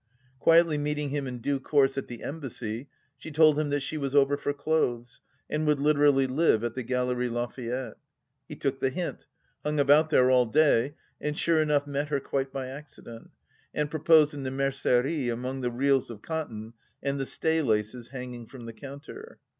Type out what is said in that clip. Quietly meeting him in due course at the Embassy, she told him that she was over for clothes, and would literally live at the Galcrie Lafayette. He took the hint, hung about there all day, and sure enough met her quite by accident, and pro posed in the Mercerie among the reels of cotton and the staylaces hanging from the counter.